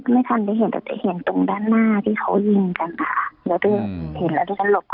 ไม่ทันได้เห็นแต่ได้เห็นตรงด้านหน้าที่เขายิงกันค่ะแล้วที่เห็นแล้วที่ก็หลบเข้ามาในร้านเลยค่ะ